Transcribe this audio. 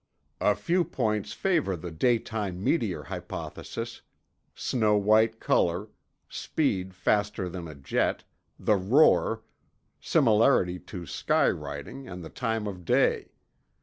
A few points favor the daytime meteor hypothesis—snow white color, speed faster than a jet, the roar, similarity to sky writing and the time of day.